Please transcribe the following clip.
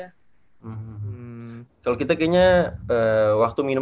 tapi latihannya sama ya kalo gue liat sih latihannya hampir sama ya